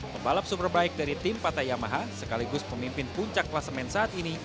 pembalap superbike dari tim pata yamaha sekaligus pemimpin puncak kelasemen saat ini